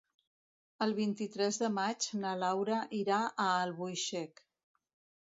El vint-i-tres de maig na Laura irà a Albuixec.